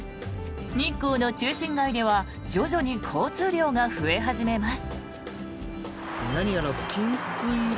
日光の中心街では徐々に交通量が増え始めます。